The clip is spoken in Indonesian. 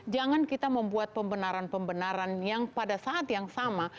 jangan kita membuat pembenaran pembenaran yang pada saat yang sama